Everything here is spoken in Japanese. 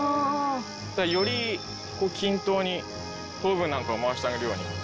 より均等に糖分なんかを回してあげるように。